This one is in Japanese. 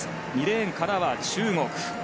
２レーンからは中国。